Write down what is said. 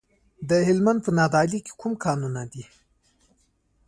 د هلمند په نادعلي کې کوم کانونه دي؟